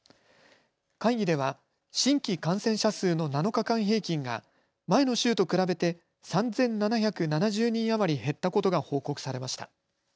会議では新規感染者数の７日間平均が前の週と比べて３７７０人余り減ったことが報告されました。